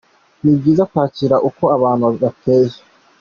Ni byiza kwakira uko abantu bateye”.